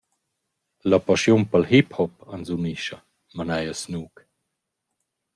«La paschiun pel hip hop ans unischa», manaja Snook.